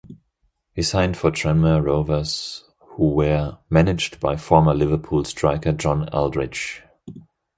He signed for Tranmere Rovers who were managed by former Liverpool striker John Aldridge.